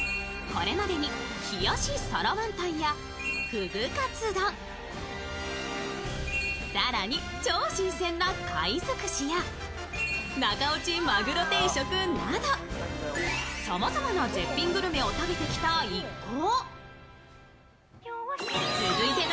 これまでに冷やし皿ワンタンやフグかつ丼、更に超新鮮な貝尽くしや中落ちマグロ定食など、さまざまな絶品グルメを食べてきた一行。